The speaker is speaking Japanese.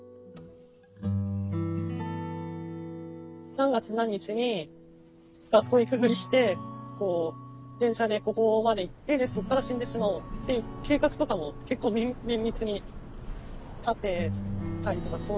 何月何日に学校行くふりして電車でここまで行ってでそっから死んでしまおうっていう計画とかも結構綿密に立てたりとかそういう感じですはい。